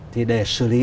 thì để xử lý